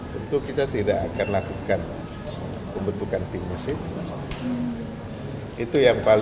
tentu kita tidak akan lakukan pembentukan tim mesin